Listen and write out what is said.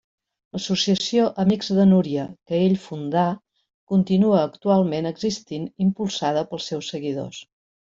L'associació Amics de Núria que ell fundà continua actualment existint impulsada pels seus seguidors.